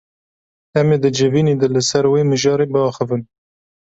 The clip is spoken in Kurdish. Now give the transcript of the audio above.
Em ê di civînê de li ser wê mijarê biaxivin.